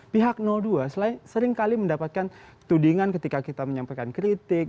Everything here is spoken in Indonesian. pihak dua seringkali mendapatkan tudingan ketika kita menyampaikan kritik